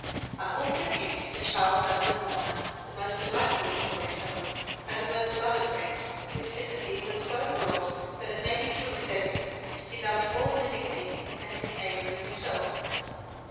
I also knew Mr. Charles Dudley Warner, the most delightful of story tellers and the most beloved friend, whose sympathy was so broad that it may be truly said of him, he loved all living things and his neighbour as himself.